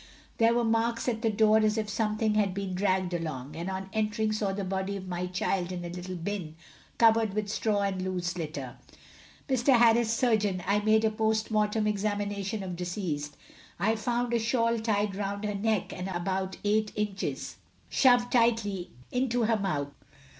There were marks at the door as if something had been dragged along, and on entering saw the body of my child in a little bin, covered with straw and loose litter. Mr. Harris, surgeon: I made a post mortem examination of deceased. I found a shawl tied round her neck, and about eight inches shoved tightly into her mouth.